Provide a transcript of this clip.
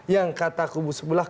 yang kata kubu sebelah